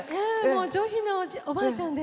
上品なおばあちゃんで。